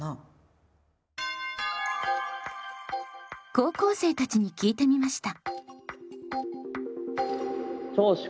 高校生たちに聞いてみました。